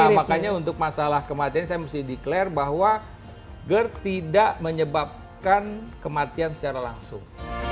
nah makanya untuk masalah kematian saya mesti declare bahwa gerd tidak menyebabkan kematian secara langsung